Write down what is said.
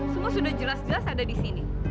semua sudah jelas jelas ada di sini